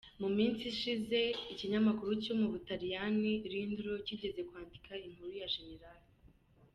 Mu minsi ishize ikinyamakuru cyo mu Butaliyani, Lindro, cyigeze kwandika inkuru ya Gen.